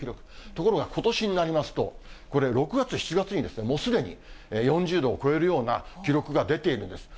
ところがことしになりますと、これ、６月、７月に、もうすでに４０度を超えるような記録が出ているんです。